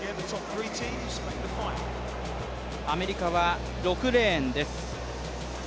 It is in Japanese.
アメリカは６レーンです。